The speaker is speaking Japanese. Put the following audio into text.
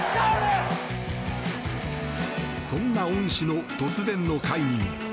そんな恩師の突然の解任。